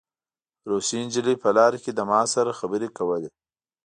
روسۍ نجلۍ په لاره کې له ما سره خبرې کولې